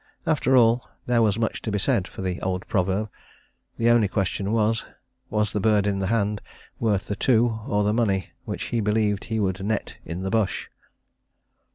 After all, there was much to be said for the old proverb. The only question was was the bird in hand worth the two; or the money, which he believed he would net in the bush?